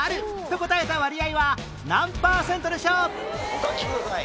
お書きください。